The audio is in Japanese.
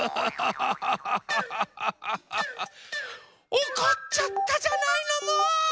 おこっちゃったじゃないのもう！